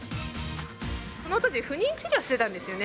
そのとき、不妊治療してたんですよね。